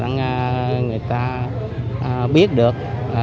người ta biết được